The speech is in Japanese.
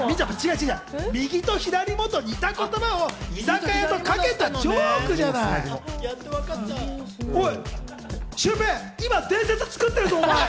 右も左もと、似た言葉を居酒屋とかけたジョークじゃない。